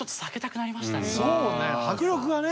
そうね迫力がね。